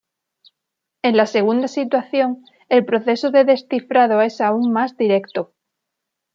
En la segunda situación, el proceso de descifrado es aún más directo.